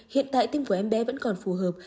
hiện tại tim của em bé vẫn còn phù hợp